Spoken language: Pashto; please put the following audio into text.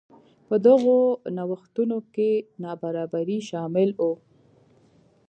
په دغو نوښتونو کې نابرابري شامل وو.